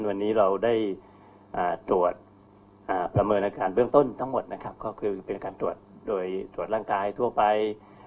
วันนี้เราได้ตรวจประเมินอาการเบื้องต้นทั้งหมดนะครับก็คือเป็นการตรวจโดยตรวจร่างกายทั่วไป